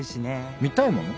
見たいもの？